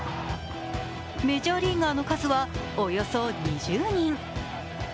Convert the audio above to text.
メジャーリーガーの数はおよそ２０人。